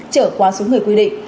trở qua số người quy định